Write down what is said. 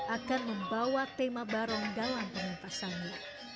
akan membawa tema barong dalam pementasannya